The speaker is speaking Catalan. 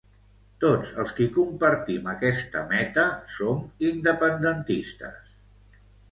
Tots els qui compartim aquesta meta som independentistes.